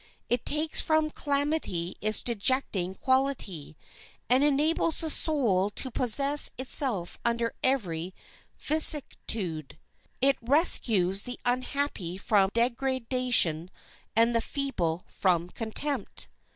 It takes from calamity its dejecting quality, and enables the soul to possess itself under every vicissitude. It rescues the unhappy from degradation and the feeble from contempt.